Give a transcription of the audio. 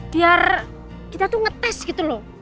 biar kita tuh ngetes gitu loh